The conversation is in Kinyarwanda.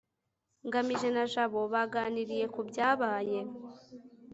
ngamije na jabo baganiriye ku byabaye